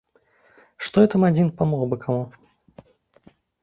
Што я там адзін памог бы каму?